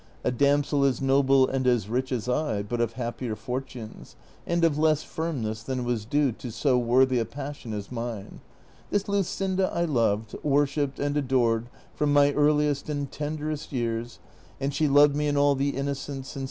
a damsel as noble and as rich as I, but of happier fortunes, and of less firmness than Avas due to so worthy a passion as mine. This kuscinda I loved, Avorshipped, and adored from my earliest and tenderest years, and she loved me in all the innocence and sincerity of childhood.